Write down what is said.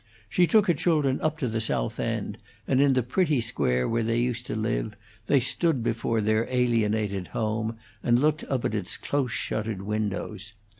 She took her children up to the South End, and in the pretty square where they used to live they stood before their alienated home, and looked up at its close shuttered windows.